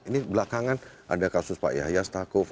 ini belakangan ada kasus pak yahya stakuf